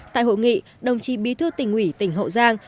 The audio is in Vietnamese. tại hội nghị đồng chí bí thư tỉnh ủy tỉnh hậu giang